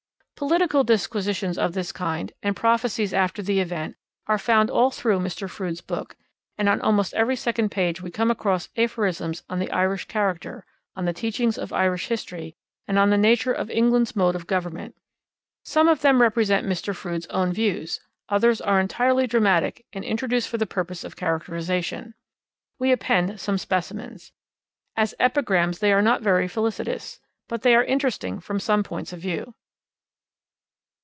Political disquisitions of this kind, and prophecies after the event, are found all through Mr. Froude's book, and on almost every second page we come across aphorisms on the Irish character, on the teachings of Irish history and on the nature of England's mode of government. Some of them represent Mr. Froude's own views, others are entirely dramatic and introduced for the purpose of characterisation. We append some specimens. As epigrams they are not very felicitous, but they are interesting from some points of view.